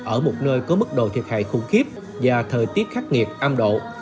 ở một nơi có mức độ thiệt hại khủng khiếp và thời tiết khắc nghiệt am độ